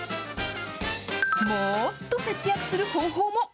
もっと節約する方法も。